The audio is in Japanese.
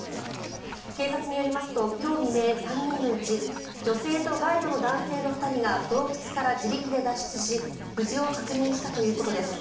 警察によりますと今日未明、３人のうち女性とガイドの男性の２人が洞窟から自力で脱出し無事を確認したということです。